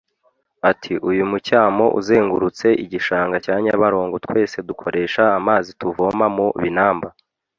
ati “Uyu mucyamo uzengurutse igishanga cya Nyabarongo twese dukoresha amazi tuvoma mu binamba